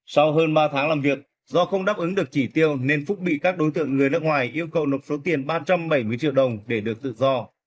sau hơn ba tháng làm việc do không đáp ứng được chỉ tiêu nên phúc bị các đối tượng người nước ngoài yêu cầu nộp số tiền ba trăm bảy mươi triệu đồng để được tự do